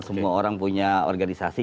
semua orang punya organisasi